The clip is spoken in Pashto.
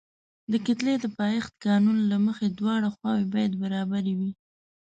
د کتلې د پایښت قانون له مخې دواړه خواوې باید برابرې وي.